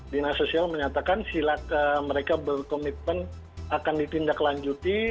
dinas sosial menyatakan sila mereka berkomitmen akan ditindaklanjuti